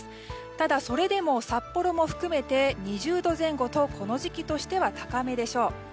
ただ、それでも札幌も含めて２０度前後とこの時期としては高めでしょう。